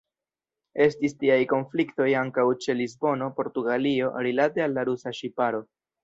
Estis tiaj konfliktoj ankaŭ ĉe Lisbono, Portugalio, rilate al la rusa ŝiparo.